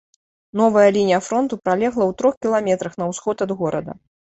Новая лінія фронту пралегла ў трох кіламетрах на ўсход ад горада.